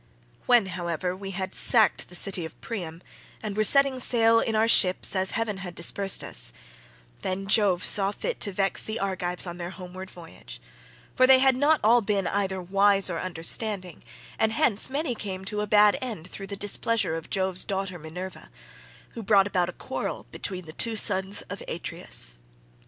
"When, however, we had sacked the city of Priam, and were setting sail in our ships as heaven had dispersed us, then Jove saw fit to vex the Argives on their homeward voyage; for they had not all been either wise or understanding, and hence many came to a bad end through the displeasure of Jove's daughter Minerva, who brought about a quarrel between the two sons of Atreus.